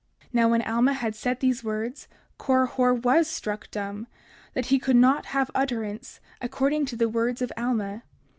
30:50 Now when Alma had said these words, Korihor was struck dumb, that he could not have utterance, according to the words of Alma.